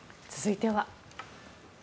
続いては。